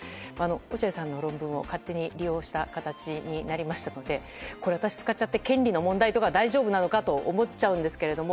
落合さんの論文を勝手に利用した形になりましたので私、使っちゃって権利の問題とか大丈夫なのか？と思っちゃうんですけれども。